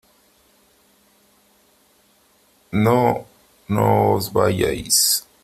¡ No , no os vayáis !